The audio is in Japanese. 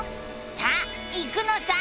さあ行くのさ！